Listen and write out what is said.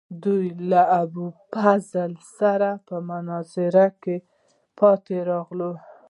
دوی له ابوالفضل سره په مناظره کې پاتې راغلل.